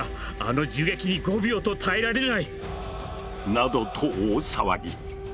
などと大騒ぎ！